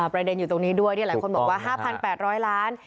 ประเด็นอยู่ตรงนี้ด้วยที่หลายคนบอกว่า๕๘๐๐ล้าน